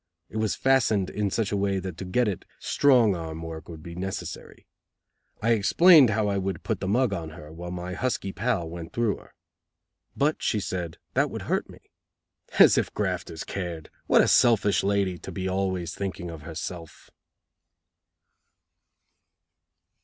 It was fastened in such a way that to get it, strong arm work would be necessary. I explained how I would "put the mug on her" while my husky pal went through her. 'But,' she said, 'that would hurt me.' As if the grafters cared! What a selfish lady to be always thinking of herself!"